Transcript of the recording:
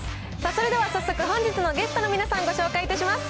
それでは早速、本日のゲストの皆さん、ご紹介いたします。